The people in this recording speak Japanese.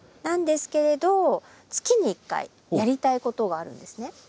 なんですけれど月に１回やりたいことがあるんですね。